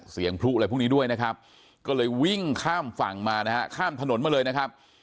พลุอะไรพวกนี้ด้วยนะครับก็เลยวิ่งข้ามฝั่งมานะฮะข้ามถนนมาเลยนะครับ